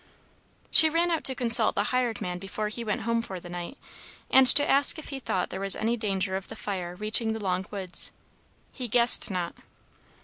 She ran out to consult the hired man before he went home for the night, and to ask if he thought there was any danger of the fire reaching the Long Woods. He "guessed" not.